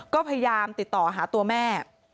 ก็พยายามติดต่อหาตัวแม่